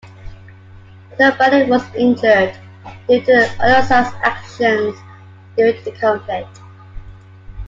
Nobody was injured due to the other side's actions during the conflict.